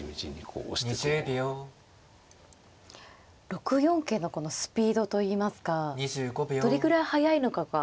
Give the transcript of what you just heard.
６四桂のこのスピードといいますかどれぐらい速いのかが。